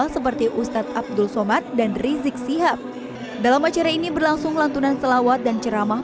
seperti ustadz abdul somad dan rizik sihab dalam acara ini berlangsung lantunan selawat dan ceramah